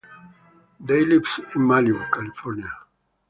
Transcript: They lived in Malibu, California.